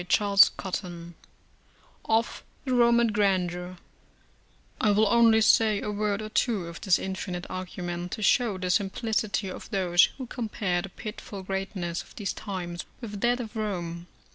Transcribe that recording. CHAPTER XXIV OF THE ROMAN GRANDEUR I will only say a word or two of this infinite argument, to show the simplicity of those who compare the pitiful greatness of these times with that of Rome.